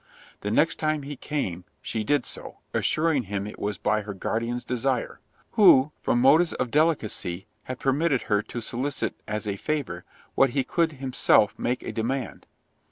The next time he came she did so, assuring him it was by her guardian's desire; "Who, from motives of delicacy, had permitted her to solicit as a favour, what he could himself make a demand."